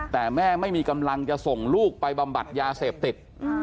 แต่แม่ไม่มีกำลังจะส่งลูกไปบำบัดยาเสพติด